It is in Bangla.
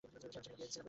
আমি সেখানে ছিলামনা।